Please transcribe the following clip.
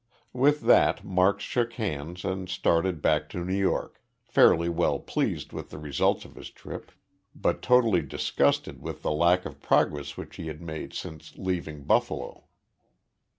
With that Marks shook hands and started back to New York, fairly well pleased with the results of his trip, but totally disgusted with the lack of progress which he had made since leaving Buffalo.